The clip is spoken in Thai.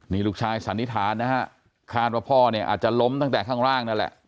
นี่ลูกชายสันนิษฐานนะฮะคาดว่าพ่อเนี่ยอาจจะล้มตั้งแต่ข้างล่างนั่นแหละ